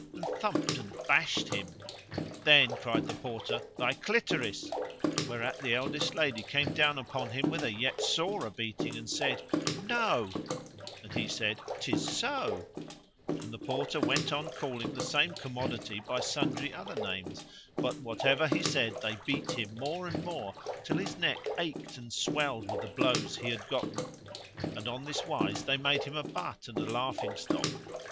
and thumped him and bashed him. Then cried the Porter, "Thy clitoris,"[FN#158] whereat the eldest lady came down upon him with a yet sorer beating, and said, "No;" and he said, " 'Tis so," and the Porter went on calling the same commodity by sundry other names, but whatever he said they beat him more and more till his neck ached and swelled with the blows he had gotten; and on this wise they made him a butt and a laughing stock.